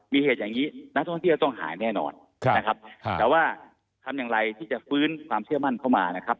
มีเหตุอย่างนี้นักท่องเที่ยวต้องหายแน่นอนนะครับแต่ว่าทำอย่างไรที่จะฟื้นความเชื่อมั่นเข้ามานะครับ